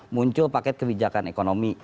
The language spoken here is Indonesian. muncul paket kebijakan ekonomi